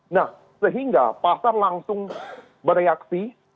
nah sehingga pasar langsung bereaksi